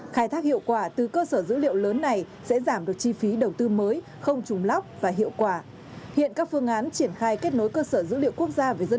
khai thác hiệu quả của dân cư là một trong sáu dữ liệu tài nguyên lớn của quốc gia